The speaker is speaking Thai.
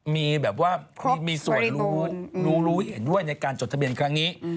มีแบบว่ามีส่วนรู้รู้เห็นด้วยในการจดทะเบียนครั้งนี้